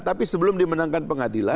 tapi sebelum dimenangkan pengadilan